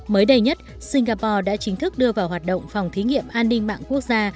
mới đây nhất singapore đã chính thức đưa vào hoạt động phòng thí nghiệm an ninh mạng quốc gia